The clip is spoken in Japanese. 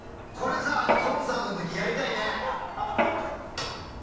コンサートの時にやりたいね。